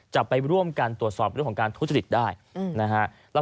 จะไปร่วมกันตรวจสอบเรื่องของการทุจริตได้นะฮะ